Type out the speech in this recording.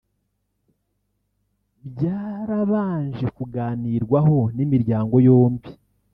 byarabanje kuganirwaho n’imiryango yombi